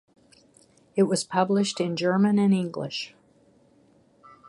It was published in German and English.